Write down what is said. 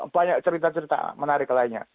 banyak cerita cerita menarik lainnya